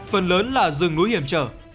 phần lớn là rừng núi hiểm trở